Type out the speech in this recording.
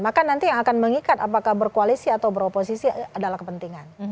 maka nanti yang akan mengikat apakah berkoalisi atau beroposisi adalah kepentingan